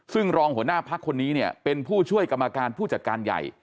ซึ่งรองหัวหน้าพักคนนี้เนี่ยเป็นผู้ช่วยกรรมการผู้จัดการใหญ่